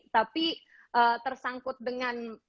tapi tersangkut dengan